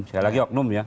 saya lagi oknum ya